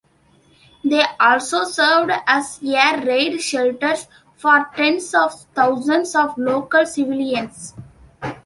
They also served as air-raid shelters for tens of thousands of local civilians.